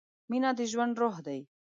مینه د ژوند روح ده.